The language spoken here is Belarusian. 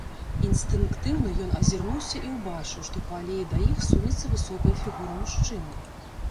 Інстынктыўна ён азірнуўся і ўбачыў, што па алеі да іх сунецца высокая фігура мужчыны.